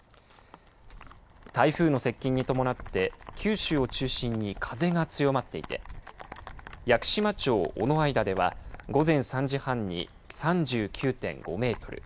台風の接近に伴って九州を中心に風が強まっていて屋久島町尾之間では午前３時半に３９．５メートル